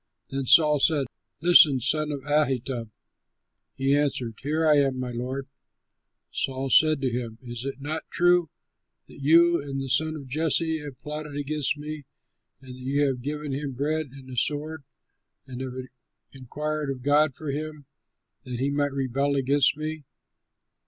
Then Saul said, "Listen, son of Ahitub!" He answered, "Here I am, my lord!" Saul said to him, "Is it not true that you and the son of Jesse have plotted against me and that you have given him bread and a sword and have inquired of God for him, that he might rebel against me?"